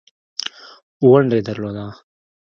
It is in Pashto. ونډه یې درلوده.